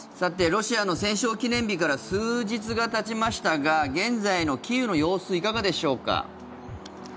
ロシアの戦勝記念日から数日がたちましたが現在のキーウの様子いかがでしょうか。